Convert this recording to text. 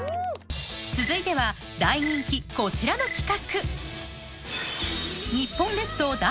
続いては大人気こちらの企画！